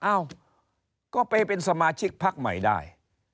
เอ้าก็ไปเป็นสมาชิกพักใหม่ได้